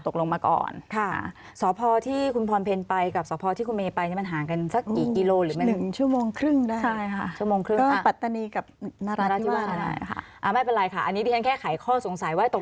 แค่ไขข้อสงสัยว่าจะตกรวงทำไม๒ท่านนี้ถึงมาเจอกัน